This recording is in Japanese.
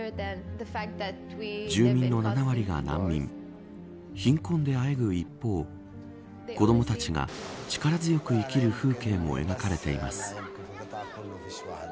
住民の７割が難民貧困であえぐ一方子どもたちが力強く生きる風景も描かれています。